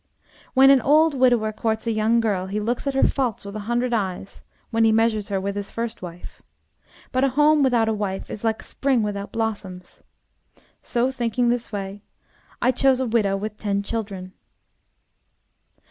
When an old widower courts a young girl he looks at her faults with a hundred eyes when he measures her with his first wife. But a home without a wife is like spring without blossoms. So, thinking this way, I chose a widow with ten children."